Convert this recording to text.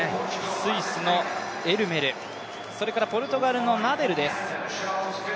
スイスのエルメル、ポルトガルのナデルです。